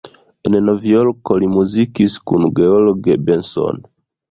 En Novjorko li muzikis kun George Benson.